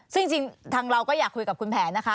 ซึ่งจริงทางเราก็อยากคุยกับคุณแผนนะคะ